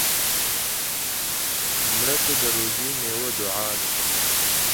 مړه ته د روژې میوه دعا ده